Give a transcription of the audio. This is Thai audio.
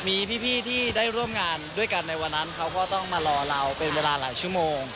มีพี่ที่ได้ร่วมงานด้วยกันในวันนั้นเขาก็ต้องมารอเราเป็นเวลาหลายชั่วโมง